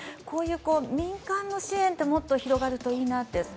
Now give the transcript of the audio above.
こういう民間の支援って、もっと広がるといいなと。